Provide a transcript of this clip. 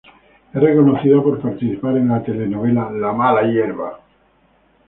Es reconocido por participar en la telenovela "La mala hierba".